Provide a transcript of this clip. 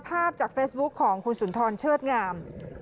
ภาพจากเฟซบุ๊คของคุณสุนทรเชิดงาม